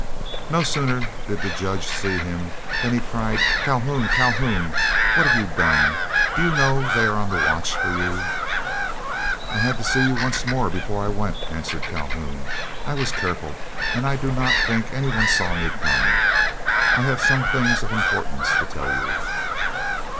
No sooner did the Judge see him than he cried, "Calhoun! Calhoun! what have you done! Do you know they are on the watch for you?" "I had to see you once more before I went," answered Calhoun. "I was careful, and I do not think any one saw me come. I have some things of importance to tell you."